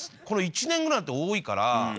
この１年ぐらい多いから。